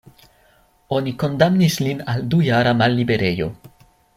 Oni kondamnis lin al dujara malliberejo.